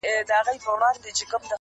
نن هغه غشي د خور ټيكري پېيلي؛